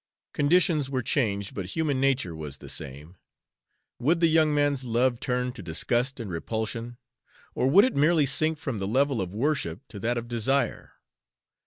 Conditions were changed, but human nature was the same. Would the young man's love turn to disgust and repulsion, or would it merely sink from the level of worship to that of desire?